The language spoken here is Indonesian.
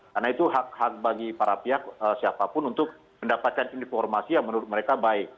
karena itu hak hak bagi para pihak siapapun untuk mendapatkan informasi yang menurut mereka baik